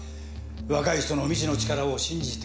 若い人の未知の力を信じて。